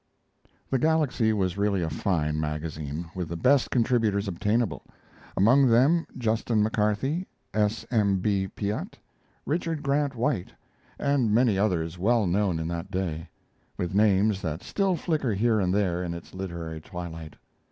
The Galaxy was really a fine magazine, with the best contributors obtainable; among them Justin McCarthy, S. M. B. Piatt, Richard Grant White, and many others well known in that day, with names that still flicker here and there in its literary twilight.